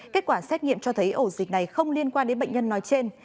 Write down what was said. kết quả xét nghiệm cho thấy ổ dịch này không liên quan đến bệnh nhân nói trên